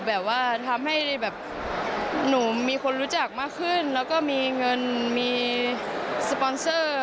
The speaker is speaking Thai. แบบว่าทำให้แบบหนูมีคนรู้จักมากขึ้นแล้วก็มีเงินมีสปอนเซอร์